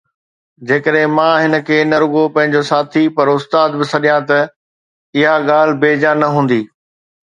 جيڪڏهن مان هن کي نه رڳو پنهنجو ساٿي پر استاد به سڏيان ته اها ڳالهه بيجا نه هوندي